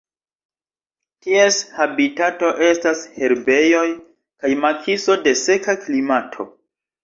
Ties habitato estas herbejoj kaj makiso de seka klimato.